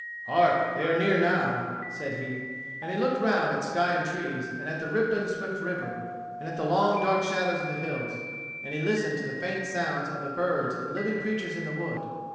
"Hark, they are near now!" said he. And he looked round at sky and trees, and at the rippling swift river, and at the long dark shadows of the hills; and he listened to the faint sounds of the birds and living creatures in the wood.